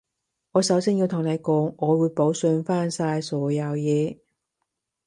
我首先要同你講，我會補償返晒所有嘢